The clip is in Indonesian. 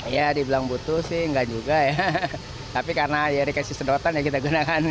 ya dibilang butuh sih enggak juga ya tapi karena ya dikasih sedotan ya kita gunakan